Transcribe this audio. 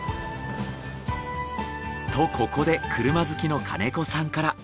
とここで車好きの金子さんから。